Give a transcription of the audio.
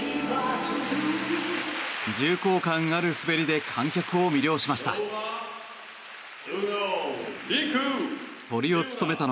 重厚感ある滑りで観客を魅了しました。